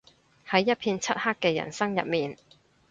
喺一片漆黑嘅人生入面